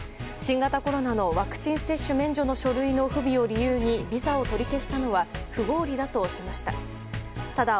新型コロナのワクチン接種免除の書類の不備を理由にビザを取り消したのは不合理だとしました。